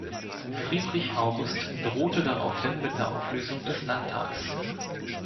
Friedrich August drohte daraufhin mit der Auflösung des Landtags.